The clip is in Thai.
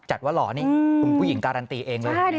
จัดว่าหล่อนี่คุณผู้หญิงการันตีเองเลย